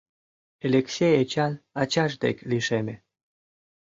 Элексей Эчан ачаж дек лишеме.